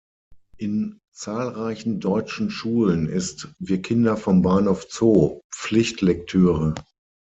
In zahlreichen deutschen Schulen ist "Wir Kinder vom Bahnhof Zoo" Pflichtlektüre.